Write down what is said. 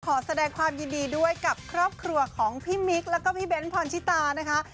ขอแสดงความยินดีด้วยกับครอบครัวของพี่มิ๊กแล้วก็พี่เบ้นพรชิตานะคะ